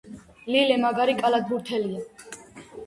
ლილე მაგარი კალათბურთელია.